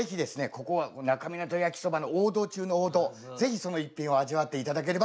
ここは那珂湊焼きそばの王道中の王道ぜひその逸品を味わっていただければと思っております。